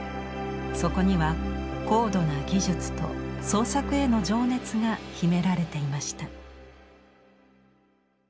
そこには高度な技術と創作への情熱が秘められていました。